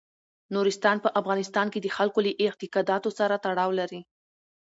نورستان په افغانستان کې د خلکو له اعتقاداتو سره تړاو لري.